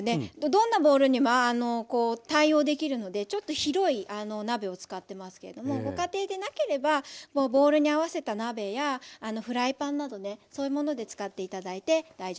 どんなボウルにも対応できるのでちょっと広い鍋を使ってますけれどもご家庭でなければボウルに合わせた鍋やフライパンなどねそういうもので使って頂いて大丈夫です。